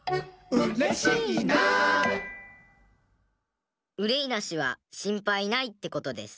「うれいなし」は「しんぱいない」ってことです。